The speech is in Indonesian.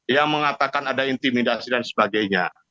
yang mengatakan ada intimidasi dan sebagainya